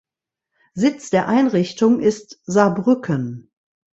Sitz der Einrichtung ist Saarbrücken.